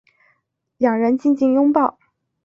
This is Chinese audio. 两人静静拥抱